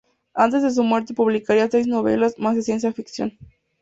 Antes de su muerte publicaría seis novelas más de ciencia ficción.